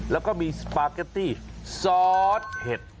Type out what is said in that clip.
แล้วก็มีสปาเกตตี้ซอสเห็ด